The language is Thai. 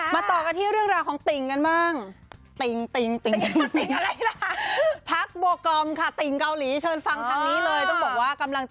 ต่อกันที่เรื่องราวของติ่งกันบ้าง